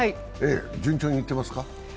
順調にいってますか？